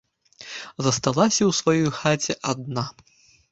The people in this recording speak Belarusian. Засталася ў сваёй хаце адна.